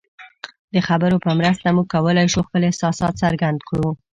د خبرو په مرسته موږ کولی شو خپل احساسات څرګند کړو.